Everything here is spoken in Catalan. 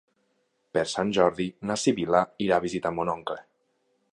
Per Sant Jordi na Sibil·la irà a visitar mon oncle.